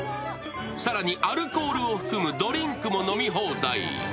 更にアルコールを含むドリンクも飲み放題。